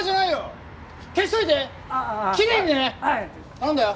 頼んだよ。